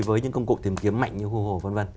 với những công cụ tìm kiếm mạnh như hô hồ v v